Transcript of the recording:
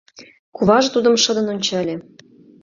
Куваже тудым шыдын ончале